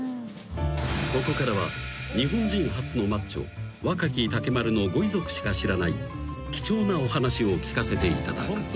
［ここからは日本人初のマッチョ若木竹丸のご遺族しか知らない貴重なお話を聞かせていただく］